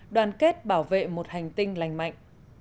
đoàn kết bảo vệ một hành tinh lành mạnh